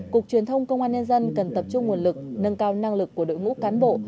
cục truyền thông công an nhân dân cần tập trung nguồn lực nâng cao năng lực của đội ngũ cán bộ